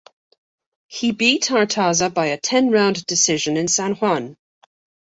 He beat Artaza by a ten-round decision in San Juan.